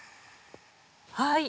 はい。